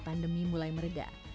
pandemi mulai meredah